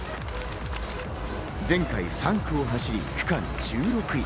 前回３区を走り、区間１６位。